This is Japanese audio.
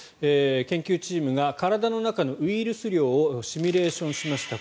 研究チームが体の中のウイルス量をシミュレーションしました。